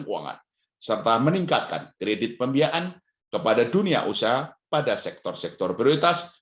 keuangan serta meningkatkan kredit pembiayaan kepada dunia usaha pada sektor sektor prioritas